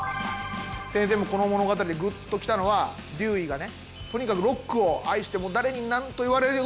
先生もこの物語でぐっときたのはデューイがねとにかくロックを愛して誰に何と言われようと突き進むところ。